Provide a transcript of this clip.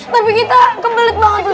tapi kita kebelet banget